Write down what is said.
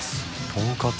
とんかつ？